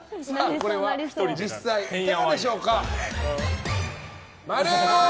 これは実際いかがでしょうか？